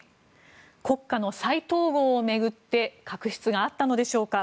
国家の再統合を巡って確執があったのでしょうか。